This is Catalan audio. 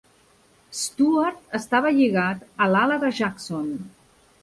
Stuart estava lligat a l'ala de Jackson.